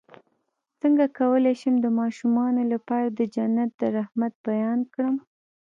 څنګه کولی شم د ماشومانو لپاره د جنت د رحمت بیان کړم